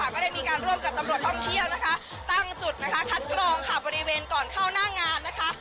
ก็ได้มีการร่วมกับตำรวจท่องเที่ยวนะคะตั้งจุดนะคะคัดกรองค่ะบริเวณก่อนเข้าหน้างานนะคะ